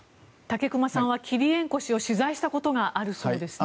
武隈さんはキリエンコ氏を取材したこともあるそうですね。